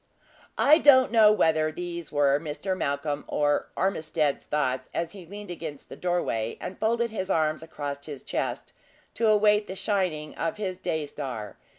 I don't know whether these were Mr. Malcolm or Ormiston's thoughts, as he leaned against the door way, and folded his arms across his chest to await the shining of his day star.